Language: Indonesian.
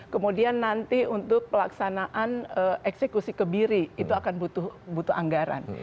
kemudian nanti untuk pelaksanaan eksekusi kebiri itu akan butuh anggaran